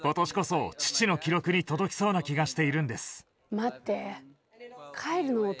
待って。